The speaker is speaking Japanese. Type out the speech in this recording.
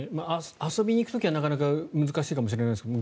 遊びに行く時は、なかなか難しいかもしれないですが